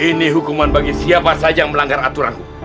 ini hukuman bagi siapa saja yang melanggar aturan